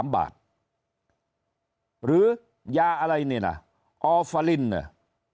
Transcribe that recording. ๓๐๓บาทหรือยาอะไรออลฟาลินน่ะ